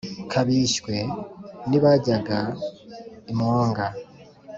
kabishywe nibajya i mwonga,